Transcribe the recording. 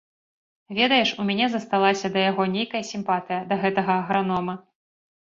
Ведаеш, у мяне засталася да яго нейкая сімпатыя, да гэтага агранома.